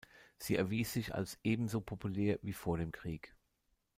Sie erwies sich als ebenso populär wie vor dem Krieg.